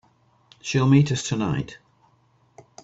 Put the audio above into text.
She'll meet us tonight.